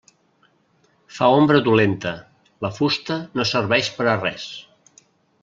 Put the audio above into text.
Fa ombra dolenta, la fusta no serveix per a res.